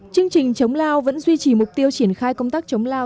chương trình chống lao vẫn duy trì mục tiêu triển khai công tác chống lao